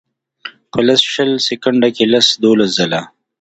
پۀ لس شل سیکنډه کښې لس دولس ځله